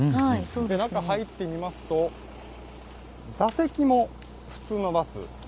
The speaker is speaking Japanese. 中入ってみますと、座席も普通のバス。